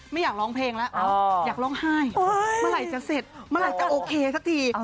ไม่อยากร้องเพลงแล้วอยากร้องไห้เมื่อไหร่จะเสร็จเมื่อไหร่จะโอเคสักที